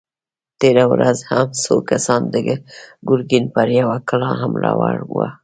تېره ورځ هم څو کسانو د ګرګين پر يوه کلا حمله ور وړه!